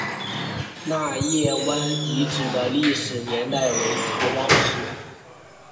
纳业湾遗址的历史年代为唐汪式。